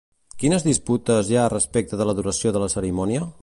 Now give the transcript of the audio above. Quines disputes hi ha respecte de la duració de la cerimònia?